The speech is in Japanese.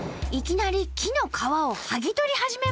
いきなり木の皮をはぎ取り始めました。